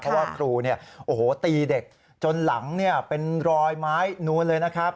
เพราะว่าครูตีเด็กจนหลังเป็นรอยไม้นู้นเลยนะครับ